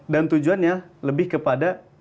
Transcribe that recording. dan tujuannya lebih kepada